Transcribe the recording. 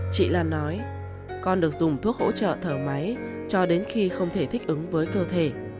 chị lan nói con được dùng thuốc hỗ trợ thở máy cho đến khi không thể thích ứng với cơ thể